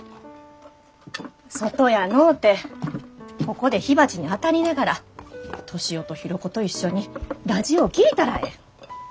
外やのうてここで火鉢にあたりながら敏夫と博子と一緒にラジオ聴いたらええ。